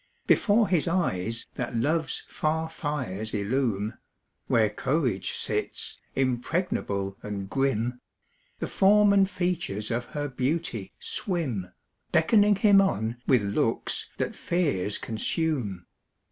Before his eyes that love's far fires illume Where courage sits, impregnable and grim The form and features of her beauty swim, Beckoning him on with looks that fears consume.